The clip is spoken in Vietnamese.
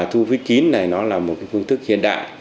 thu phí kín này nó là một phương thức hiện đại